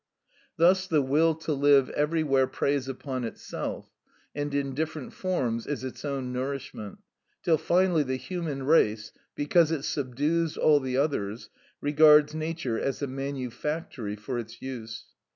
Thus the will to live everywhere preys upon itself, and in different forms is its own nourishment, till finally the human race, because it subdues all the others, regards nature as a manufactory for its use.